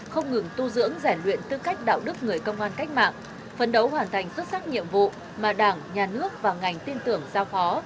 không ngừng tu dưỡng giải luyện tư cách đạo đức người công an cách mạng phấn đấu hoàn thành xuất sắc nhiệm vụ mà đảng nhà nước và ngành tin tưởng giao phó